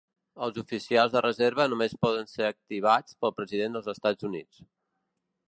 Els oficials de reserva només poden ser activats pel President dels Estats Units.